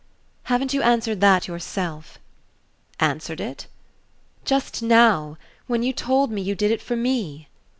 "Haven't you answered that yourself?" "Answered it?" "Just now when you told me you did it for me."